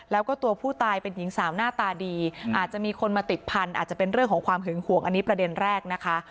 แล้วก็ตัวผู้ตายเป็นหญิงสาวหน้าตาดีอาจจะมีคนมาติดพันธุ์อาจจะเป็นเรื่องของความหึงห่วงอันนี้ประเด็นแรกนะคะ